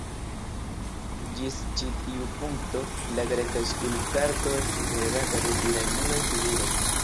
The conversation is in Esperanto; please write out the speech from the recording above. Ĝis ĉi tiu punkto, la greka skulptarto estis regata de viraj nudaj figuroj.